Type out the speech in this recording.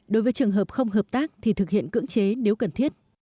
đối với trường hợp không hợp tác thì thực hiện cưỡng chế nếu cần thiết